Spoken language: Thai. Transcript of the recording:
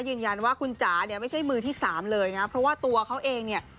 ยืนยันว่าคุณจ๋าเนี่ยไม่ใช่มือที่สามเลยนะเพราะว่าตัวเขาเองเนี่ย